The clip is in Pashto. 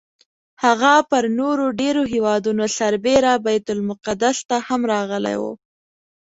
هغه پر نورو ډېرو هېوادونو سربېره بیت المقدس ته هم راغلی و.